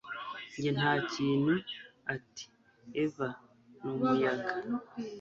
Njye nta kintu ati Eva ni umuyaga